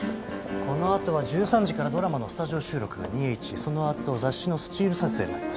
この後は１３時からドラマのスタジオ収録が２ｈその後雑誌のスチール撮影になります。